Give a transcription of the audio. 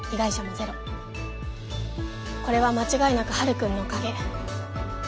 これは間違いなくはるくんのおかげ。